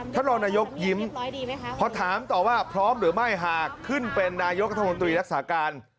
ท่านรองนายกยิ้มพอถามต่อว่าพร้อมหรือไม่หากขึ้นเป็นนายกรัฐมนตรีรักษาการ